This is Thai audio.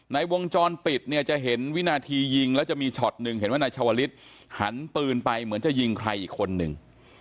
ในวงจรปิดเนี่ยจะเห็นวินาทียิงแล้วจะมีช็อตหนึ่งเห็นว่านายชาวลิศหันปืนไปเหมือนจะยิงใครอีกคนนึง